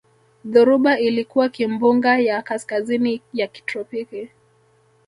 Dhoruba ilikuwa kimbunga ya kaskazini ya kitropiki